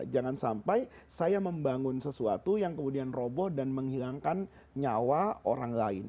jangan sampai saya membangun sesuatu yang kemudian roboh dan menghilangkan nyawa orang lain